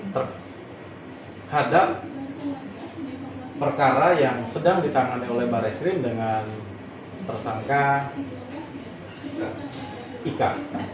terhadap perkara yang sedang ditangani oleh barreskrim dengan tersangka ika